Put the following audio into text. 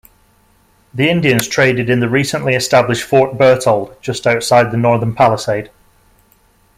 The Indians traded in the recently established Fort Berthold just outside the northern palisade.